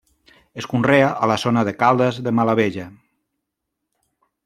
Es conrea a la zona de Caldes de Malavella.